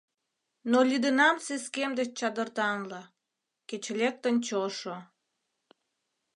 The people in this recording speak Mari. Но лӱдынам сескем деч чадыртанла, Кеч лектын чошо!